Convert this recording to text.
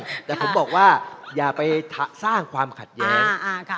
ผมไม่ได้บอกว่าก้าวข้ามความขัดแย้ง